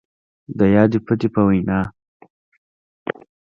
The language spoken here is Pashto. د يادې پتې په وينا،